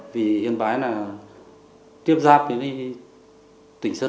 vì yên bái là tiếp giáp với tỉnh sơn la